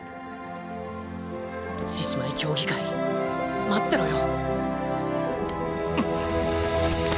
獅子舞競技会待ってろよ。